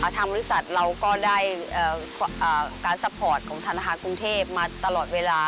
ทางบริษัทเราก็ได้การซัพพอร์ตของธนาคารกรุงเทพมาตลอดเวลา